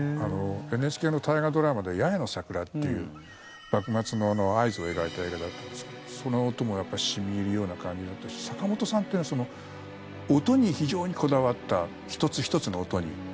ＮＨＫの大河ドラマで「八重の桜」っていう幕末の会津を描いた映画だったんですけどその音も、やっぱり染み入るような感じだったし坂本さんっていうのは音に非常にこだわった１つ１つの音に。